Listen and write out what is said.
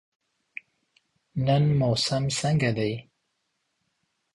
نن موسم څنګه دی؟